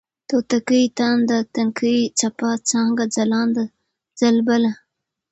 توتکۍ ، تانده ، تنکۍ ، څپه ، څانگه ، ځلانده ، ځلبله